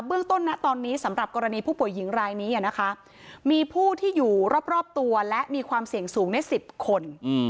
เรื่องต้นนะตอนนี้สำหรับกรณีผู้ป่วยหญิงรายนี้นะคะมีผู้ที่อยู่รอบตัวและมีความเสี่ยงสูงใน๑๐คน